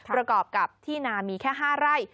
ประกอบกับที่นามีแค่๕ไร่